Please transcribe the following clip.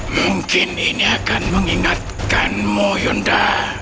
mungkin ini akan mengingatkanmu yunda